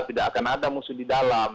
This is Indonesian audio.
tidak akan ada musuh di dalam